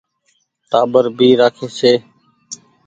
ٽآٻر ڀي رآکي ڇي۔